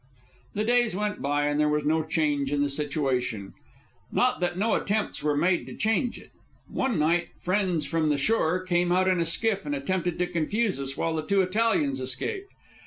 The days went by, and there was no change in the situation. Not that no attempts were made to change it. One night friends from the shore came out in a skiff and attempted to confuse us while the two Italians escaped.